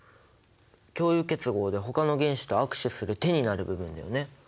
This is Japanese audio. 共有結合でほかの原子と握手する手になる部分だよね。